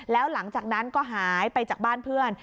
แล้วหลังจากนั้นก็หายไปจากบ้านเพื่อน